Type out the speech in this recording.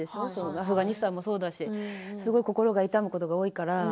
アフガニスタンもそうですしすごく心が痛むことが多いから。